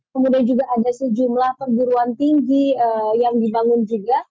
kemudian juga ada sejumlah perguruan tinggi yang dibangun juga